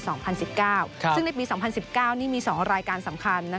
ซึ่งในปี๒๐๑๙นี่มี๒รายการสำคัญ